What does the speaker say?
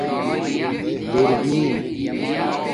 دُور بین